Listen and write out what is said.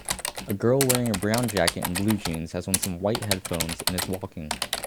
A girl wearing a brown jacket and blue jeans has on some white headphones and is walking